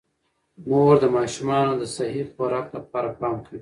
مور د ماشومانو د صحي خوراک لپاره پام کوي